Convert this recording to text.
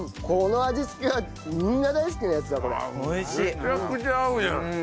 めちゃくちゃ合うじゃん。